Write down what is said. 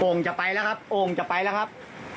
จะไปแล้วครับโอ่งจะไปแล้วครับ